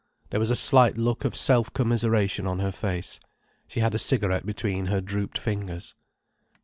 There was a slight look of self commiseration on her face. She had a cigarette between her drooped fingers.